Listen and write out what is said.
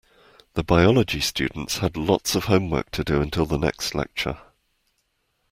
The biology students had lots of homework to do until the next lecture.